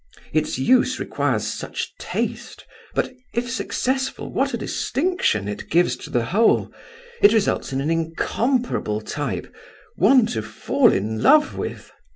Its use requires such taste, but, if successful, what a distinction it gives to the whole! It results in an incomparable type—one to fall in love with!"